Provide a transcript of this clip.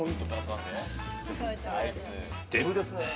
デブですね。